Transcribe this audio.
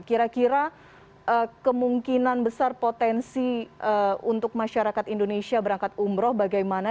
kira kira kemungkinan besar potensi untuk masyarakat indonesia berangkat umroh bagaimana